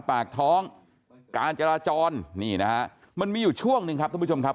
ปากท้องการจราจรนี่นะฮะมันมีอยู่ช่วงหนึ่งครับทุกผู้ชมครับ